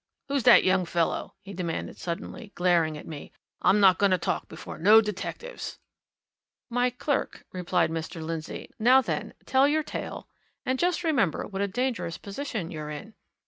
Who's that young fellow?" he demanded suddenly, glaring at me. "I'm not going to talk before no detectives." "My clerk," replied Mr. Lindsey. "Now, then tell your tale. And just remember what a dangerous position you're in."